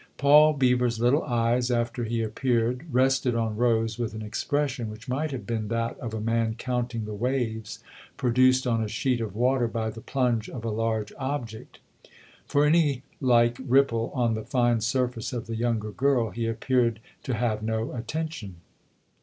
Paul Beever's little eyes, after he appeared, rested on Rose with an expression which might have been that of a man counting the waves produced on a sheet of water by the plunge of a large object. For any like ripple on the fine surface of the younger girl he appeared to have no attention.